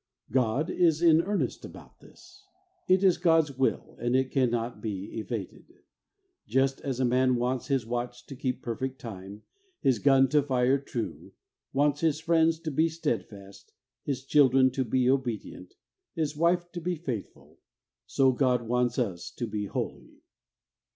God is in earnest about this. It is God's will, and it cannot be evaded. Just as a man wants his watch to keep perfect time, his gun to fire true, wants his friends to be steadfast, his children to be obedient, his wife to be faithful, so God wants us to be holy.